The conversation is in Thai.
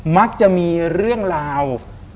มักจะมีเรื่องราว